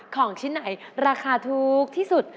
ของชิ้นไหนราคาถูกที่สุด